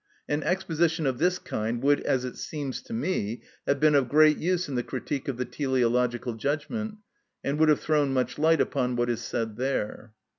An exposition of this kind would, as it seems to me, have been of great use in the "Critique of the Teleological Judgment," and would have thrown much light upon what is said there.